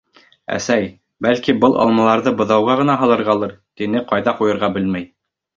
— Әсәй, бәлки, был алмаларҙы быҙауға ғына һалырғалыр?— тине, ҡайҙа ҡуйырға белмәй.